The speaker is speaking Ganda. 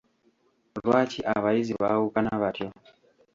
Lwaki abayizi baawukana batyo?